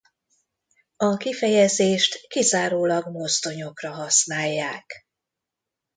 A kifejezést kizárólag mozdonyokra használják.